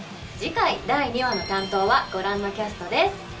次回第２話の担当はご覧のキャストです。